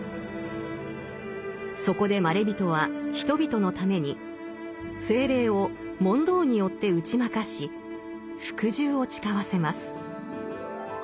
そこでまれびとは人々のために精霊を「問答」によって打ち負かし服従を誓わせます。